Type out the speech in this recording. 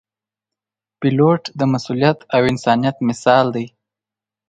پیلوټ د مسؤلیت او انسانیت مثال وي.